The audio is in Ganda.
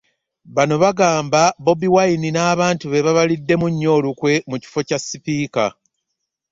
Bano bagamba Bobi Wine n'abantu be baabaliddemu nnyo olukwe ku kifo Kya sipiika.